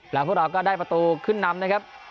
แล้วพวกเราก็ได้ประตูขึ้นนำนะครับ